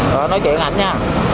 rồi nói chuyện ảnh nha